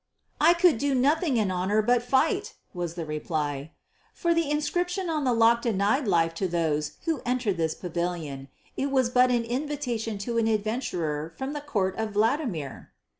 "I could do nothing in honour but fight," was the reply. "For the inscription on the lock denied life to those who entered this pavilion. It was but an invitation to an adventurer from the court of Vladimir."